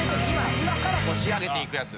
今から仕上げていくやつ。